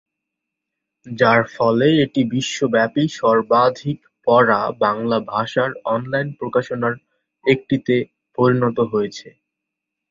যার ফলে এটি বিশ্বব্যাপী সর্বাধিক পড়া বাংলা ভাষার অনলাইন প্রকাশনার একটিতে পরিণত হয়েছে।